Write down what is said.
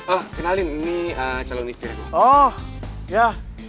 ah kenalin ini calon istri oh ya